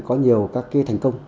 có nhiều các cái thành công